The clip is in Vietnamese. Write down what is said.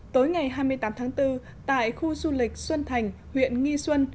tối ngày hai mươi tám tháng bốn tại khu du lịch xuân thành huyện nghi xuân